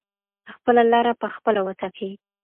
خپله لاره په خپله وټاکئ.